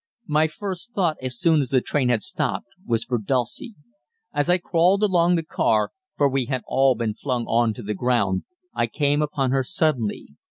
My first thought as soon as the train had stopped was for Dulcie. As I crawled along the car for we had all been flung on to the ground I came upon her suddenly.